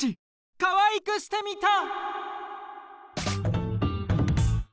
かわいくしてみた！